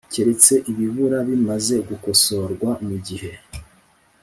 Keretse ibibura bimaze gukosorwa mu gihe